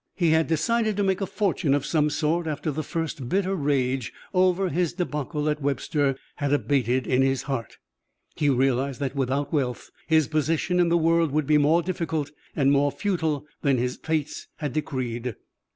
He had decided to make a fortune of some sort after the first bitter rage over his debacle at Webster had abated in his heart. He realized that without wealth his position in the world would be more difficult and more futile than his fates had decreed.